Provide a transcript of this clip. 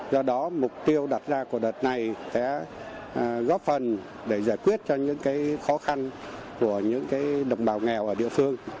do đó mục tiêu đặt ra của đợt này sẽ góp phần để giải quyết cho những khó khăn của những đồng bào nghèo ở địa phương